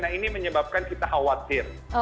nah ini menyebabkan kita khawatir